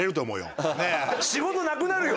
仕事なくなるよ！